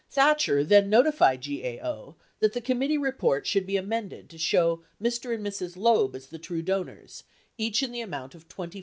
Thatcher then notified GAO that the committee reports should be amended to show Mr. and Mrs. Loeb as the true donors, each in the amount of $24,000.